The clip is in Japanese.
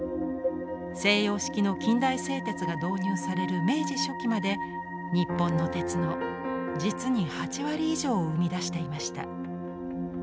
西洋式の近代製鉄が導入される明治初期まで日本の鉄の実に８割以上を生み出していました。